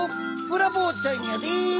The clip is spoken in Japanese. ブラボーちゃんやで！